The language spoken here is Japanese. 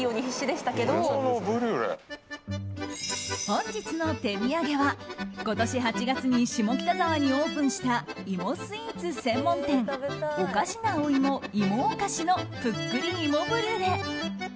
本日の手土産は今年８月に下北沢にオープンした芋スイーツ専門店をかしなお芋芋をかしのぷっくり芋ブリュレ。